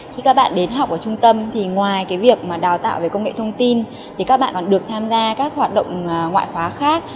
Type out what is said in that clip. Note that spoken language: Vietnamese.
khi các bạn đến học ở trung tâm thì ngoài cái việc mà đào tạo về công nghệ thông tin thì các bạn còn được tham gia các hoạt động ngoại khóa khác